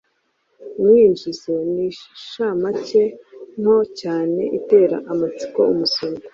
Umwinjizo: Ni inshamake nto cyane itera amatsiko umusomyi